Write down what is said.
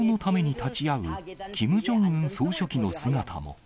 現場には、指導にために立ち会うキム・ジョンウン総書記の姿も。